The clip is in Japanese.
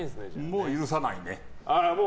もう許さないね。